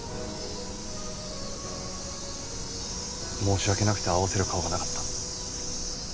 申し訳なくて合わせる顔がなかった。